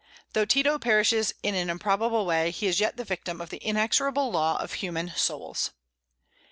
Though Tito perishes in an improbable way, he is yet the victim of the inexorable law of human souls.